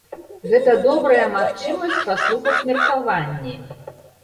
Гэта добрая магчымасць паслухаць меркаванні.